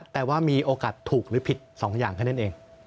แต่ว่ามีโอกาสถูกหรือผิด๒อย่างแค่นั้นเอง